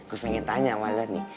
gue pengen tanya sama lo nih